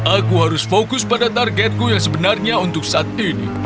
aku harus fokus pada targetku yang sebenarnya untuk saat ini